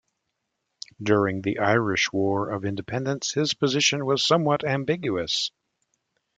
During the Irish War of Independence, his position was somewhat ambiguous.